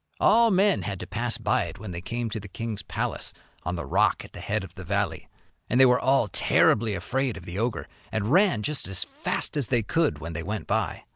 All men had to pass by it when they came to the king's palace on the rock at the head of the valley. And they were all terribly afraid of the ogre, and ran just as fast as they could when they went by.'